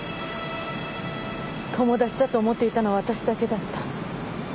友達だと思っていたのは私だけだった。